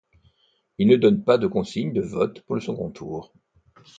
Il ne donne pas de consigne de vote pour le second tour.